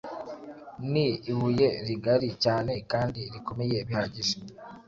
Ni ibuye rigari cyane kandi rikomeye bihagije